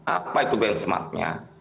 apa itu benchmarknya